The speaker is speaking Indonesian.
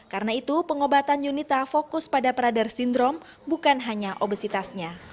karena itu pengobatan yunita fokus pada prader syndrom bukan hanya obesitasnya